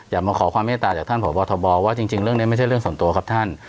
มาขอความเมตตาจากท่านพบทบว่าจริงเรื่องนี้ไม่ใช่เรื่องส่วนตัวครับท่าน